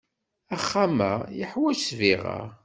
Axxam-a yeḥwaj ssbiɣa.